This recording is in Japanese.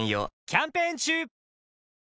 キャンペーン中！